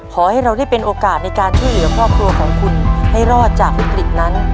ขอให้เราได้เป็นโอกาสในการช่วยเหลือครอบครัวของคุณให้รอดจากวิกฤตนั้น